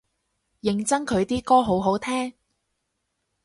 認真佢啲歌好好聽？